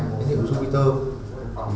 với điệu jupiter